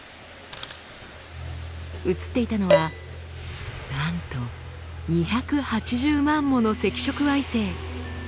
写っていたのはなんと２８０万もの赤色矮星。